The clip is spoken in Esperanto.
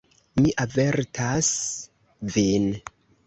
Mi avertas vin.